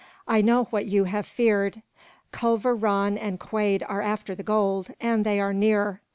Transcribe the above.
I know what you have feared. Culver Rann and Quade are after the gold, and they are near.